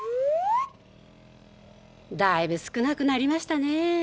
だいぶ少なくなりましたね。